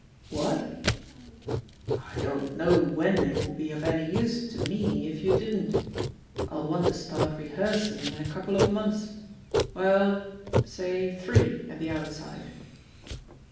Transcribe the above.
"What?" "I don't know when it would be of any use to me if you didn't — I'll want to start rehearsing in a couple of months. ... Well, say three, at the outside."